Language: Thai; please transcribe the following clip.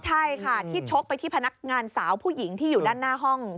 ใช่ค่ะที่ชกไปที่พนักงานสาวผู้หญิงที่อยู่ด้านหน้าห้อง